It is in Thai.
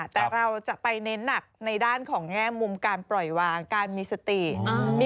แต่เราจะไปเน้นหนักในด้านของแง่มุมการปล่อยวางการมีสติ